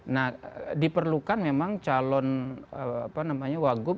nah diperlukan memang calon wakil gubernur